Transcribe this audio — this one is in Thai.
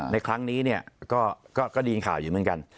ในครั้งนี้เนี่ยก็ได้ยินข่าวอยู่เหมือนกัน